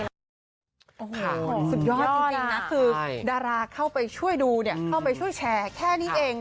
โอ้โหสุดยอดจริงนะคือดาราเข้าไปช่วยดูเนี่ยเข้าไปช่วยแชร์แค่นี้เอง